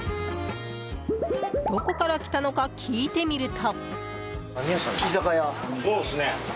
どこから来たのか聞いてみると。